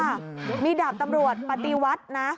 ค่ะมีดาบตำรวจปฏิวัตินะ